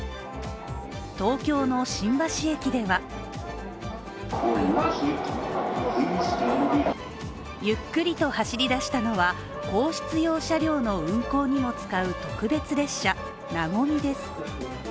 東京の新橋駅ではゆっくりと走り出したのは皇室用車両の運行にも使う特別列車なごみです。